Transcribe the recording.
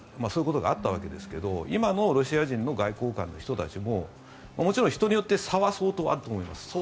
そういうことがあったわけですが今のロシア人の外交官の人たちももちろん人によって差は相当あると思います。